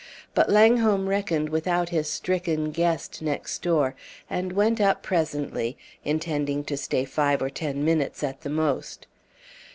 But Langholm reckoned without his stricken guest next door; and went up presently, intending to stay five or ten minutes at the most.